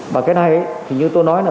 và cái này thì như tôi nói là